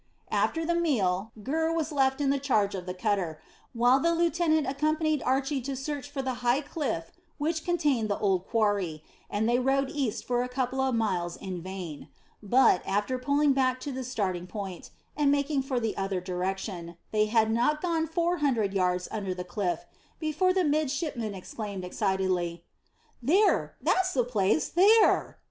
After the meal, Gurr was left in the charge of the cutter, while the lieutenant accompanied Archy to search for the high cliff which contained the old quarry, and they rowed east for a couple of miles in vain. But, after pulling back to the starting point, and making for the other direction, they had not gone four hundred yards under the cliff before the midshipman exclaimed excitedly, "There; that's the place: there!"